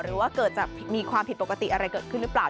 หรือว่าเกิดจากมีความผิดปกติอะไรเกิดขึ้นหรือเปล่า